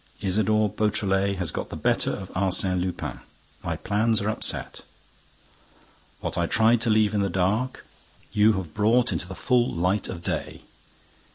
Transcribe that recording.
Isidore Beautrelet has got the better of Arsène Lupin. My plans are upset. What I tried to leave in the dark you have brought into the full light of day.